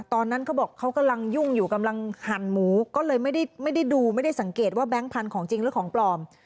เขาบอกเขากำลังยุ่งอยู่กำลังหั่นหมูก็เลยไม่ได้ดูไม่ได้สังเกตว่าแก๊งพันธุ์ของจริงหรือของปลอม